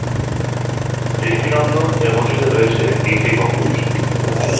দৃষ্টিনন্দন এ মসজিদে রয়েছে তিনটি গম্বুজ।